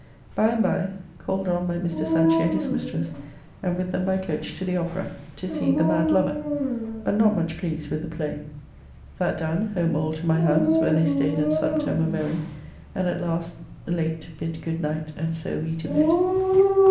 By and by called on by Mr. Sanchy and his mistress, and with them by coach to the Opera, to see "The Mad Lover," but not much pleased with the play. That done home all to my house, where they staid and supped and were merry, and at last late bid good night and so we to bed.